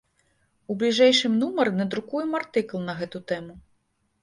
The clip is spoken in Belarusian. У бліжэйшым нумары надрукуем артыкул на гэту тэму.